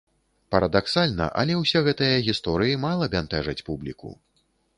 Парадаксальна, але ўсе гэтыя гісторыі мала бянтэжаць публіку.